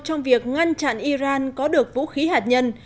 trong việc ngăn chặn iran có được vũ khí hạt nhân